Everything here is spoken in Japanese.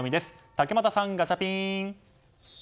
竹俣さん、ガチャピン！